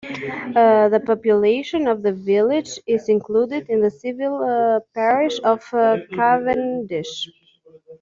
The population of the village is included in the civil parish of Cavendish.